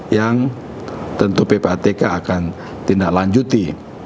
yang tentu ppatk akan tindak lanjuti